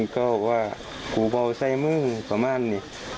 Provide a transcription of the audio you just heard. ก็บอกว่าปุเบาไซมื้อประมาณนี้